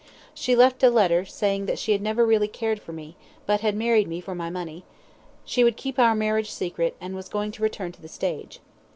She left a letter saying that she had never really cared for me, but had married me for my money she would keep our marriage secret, and was going to return to the stage.